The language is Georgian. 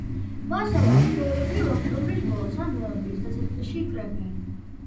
მოსავალს ჩვეულებრივ ოქტომბრის ბოლოს ან ნოემბრის დასაწყისში კრეფენ.